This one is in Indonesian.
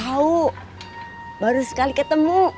aku baru sekali ketemu